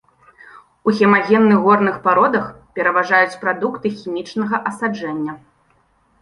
У хемагенных горных пародах пераважаюць прадукты хімічнага асаджэння.